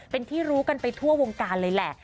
เป็นที่รู้กันไปทั่ววงการเลยแหละ